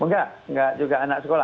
enggak enggak juga anak sekolah